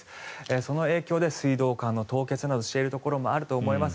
その影響で水道管の凍結などしているところもあると思います。